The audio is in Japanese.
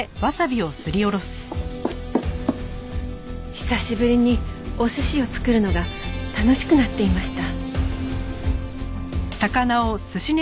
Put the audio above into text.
久しぶりにお寿司を作るのが楽しくなっていました。